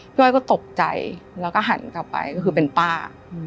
อ้อยก็ตกใจแล้วก็หันกลับไปก็คือเป็นป้า